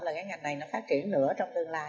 là cái ngành này nó phát triển nữa trong tương lai